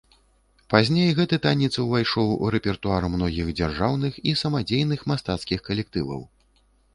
Пазней гэты танец увайшоў у рэпертуар многіх дзяржаўных і самадзейных мастацкіх калектываў.